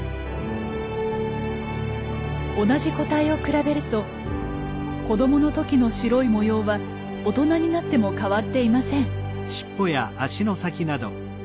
同じ個体を比べると子供の時の白い模様は大人になっても変わっていません。